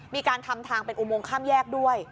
มีการทำทางเป็นอุโมงข้ามแยกด้วย